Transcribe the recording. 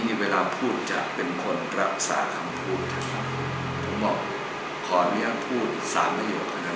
คนคนนี้เวลาพูดจะเป็นคนปรับศาสน์คำพูดครับผมบอกขอเรียกพูด๓โลกนะครับ